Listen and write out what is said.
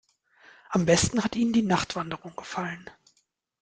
Am besten hat ihnen die Nachtwanderung gefallen.